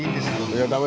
いや駄目